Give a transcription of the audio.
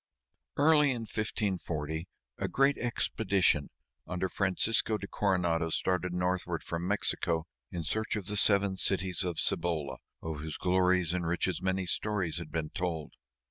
Early in 1540 a great expedition under Francisco de Coronado started northward from Mexico in search of the Seven Cities of Cibola, of whose glories and riches many stories had been told.